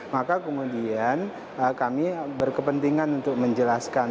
maka kemudian kami berkepentingan untuk menjelaskan